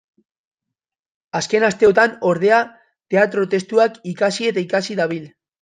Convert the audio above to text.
Azken asteotan, ordea, teatro-testuak ikasi eta ikasi dabil.